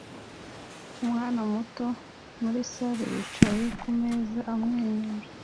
Umwana muto muri salle yicaye kumeza amwenyura